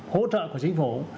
hỗ trợ của chính phủ